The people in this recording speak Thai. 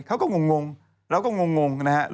เขาก็งงแล้วก็งงนะครับ